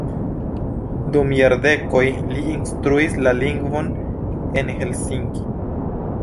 Dum jardekoj li instruis la lingvon en Helsinki.